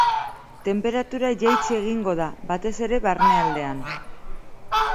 Tenperatura jaitsi egingo da, batez ere barnealdean.